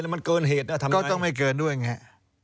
แล้วมันเกินเหตุแล้วทำยังไงก็ต้องไม่เกินด้วยไง